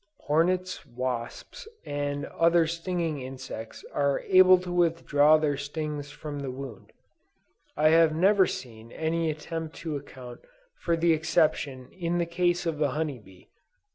Hornets, wasps and other stinging insects are able to withdraw their stings from the wound. I have never seen any attempt to account for the exception in the case of the honey bee.